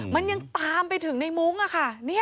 มันยังตามไปถึงในมุ้งอ่ะค่ะนี่